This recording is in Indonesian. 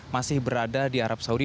masih berada di arab saudi